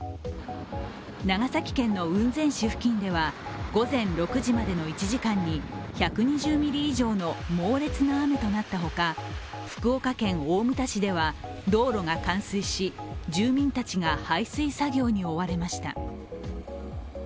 長崎県の雲仙市付近では午前６時までの１時間に１２０ミリ以上の猛烈な雨となったほか、福岡県大牟田市では道路が冠水し、住民たちが排水作業に追われました。